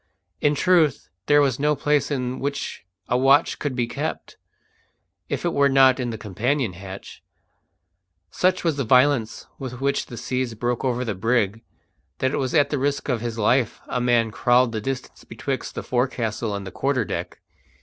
In truth, there was no place in which a watch could be kept, if it were not in the companion hatch. Such was the violence with which the seas broke over the brig that it was at the risk of his life a man crawled the distance betwixt the forecastle and the quarter deck.